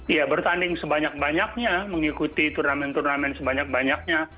ya bertanding sebanyak banyaknya mengikuti turnamen turnamen sebanyak banyaknya